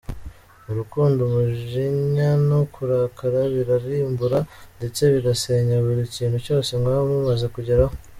Mu rukundo umujinya no kurakara birarimbura ndetse bigasenya buri kintu cyose mwaba mumaze kugeraho.